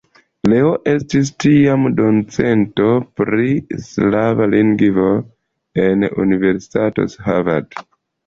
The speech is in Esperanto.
Leo estis tiam docento pri slava lingvaro en Universitato Harvard.